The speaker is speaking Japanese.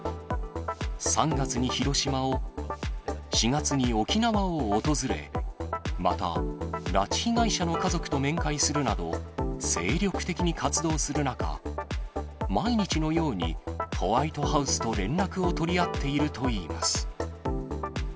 ３月に広島を、４月に沖縄を訪れ、また、拉致被害者の家族と面会するなど、精力的に活動する中、毎日のようにホワイトハウスと連絡を取り合っているといいます。